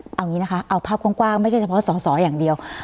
เอาอย่างนี้นะคะเอาภาพกว้างไม่ใช่เฉพาะสอสออย่างเดียว